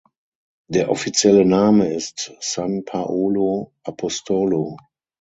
Der offizielle Name ist San Paolo Apostolo.